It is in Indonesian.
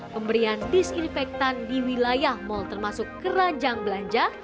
pemberian disinfektan di wilayah mal termasuk keranjang belanja